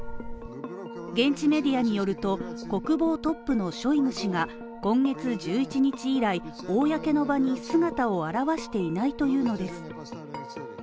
現地メディアによると国防トップのショイグ氏が今月１１日以来、公の場に姿を現していないというのです。